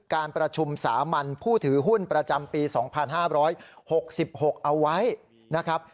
การประชุมสามัญผู้ถือหุ้นประจำปีสองพันห้าร้อยหกสิบหกเอาไว้นะครับ